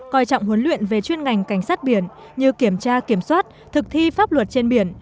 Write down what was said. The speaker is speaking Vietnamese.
coi trọng huấn luyện về chuyên ngành cảnh sát biển như kiểm tra kiểm soát thực thi pháp luật trên biển